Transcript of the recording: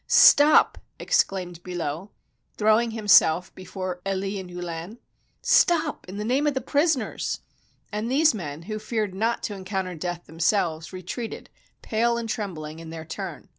"Stop!" exclaimed Billot, throwing himself before 289 FRANCE Elie and Hullin; "stop, in the name of the prisoners!" And these men, who feared not to encounter death themselves retreated, pale and trembling, in their turn.